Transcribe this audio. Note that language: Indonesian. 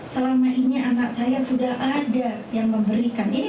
selama ini anak saya sudah ada yang memberikan ini